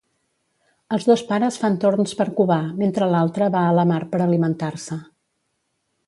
Els dos pares fan torns per covar, mentre l'altre va a la mar per alimentar-se.